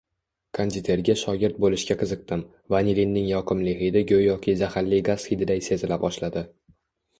Konditerga shogird boʻlishga qiziqdim, vanilinning yoqimli hidi goʻyoki zaharli gaz hididay sezila boshladi.